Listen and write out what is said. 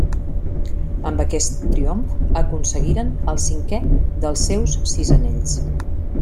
Amb aquest triomf aconseguiren el cinquè dels seus sis anells.